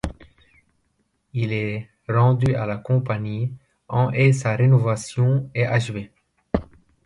Il est rendu à la compagnie en et sa rénovation est achevée.